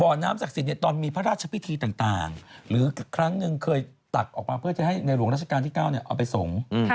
บ่อน้ำศักดิ์สิทธิ์ตอนมีพระราชภิฐริต่างหรือครั้งนึงเคยตัดออกวางเพื่อให้ในหลวงรัชกรรมราชกาลที่เก้าเอาไปส่ง